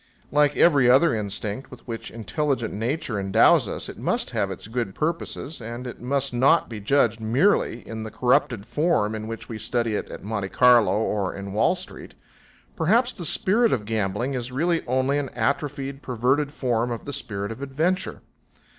Like every other instinct with which intelligent nature endows us, it must have its good purpose, and it must not be judged merely in the corrupted form in which we study it at Monte Carlo or in Wall Street. Perhaps the spirit of gambling is really only an atrophied, perverted form of the spirit of adventure.